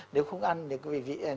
nếu không ăn những cái vị